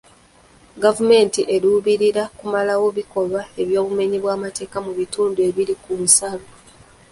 Gavumenti eruubirira kumalawo bikolwa by'obumenyi bw'amateeka mu bitundu ebiri ku nsalo.